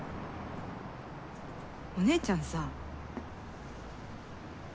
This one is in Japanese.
お姉ちゃんさ。